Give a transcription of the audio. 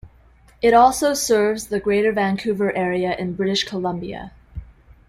It also serves the Greater Vancouver area in British Columbia.